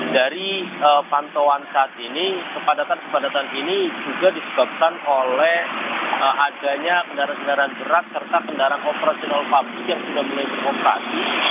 dari pantauan saat ini kepadatan kepadatan ini juga disebabkan oleh adanya kendaraan kendaraan berat serta kendaraan operasional pabrik yang sudah mulai beroperasi